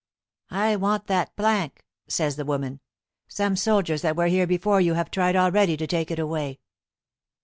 "I want that plank," says the woman. "Some soldiers that were here before you have tried already to take it away."